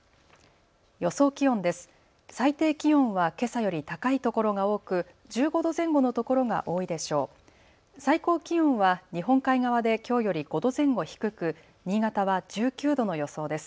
予想気温です。